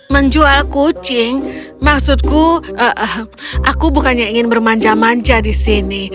menjual kucing maksudku aku bukannya ingin bermanja manja di sini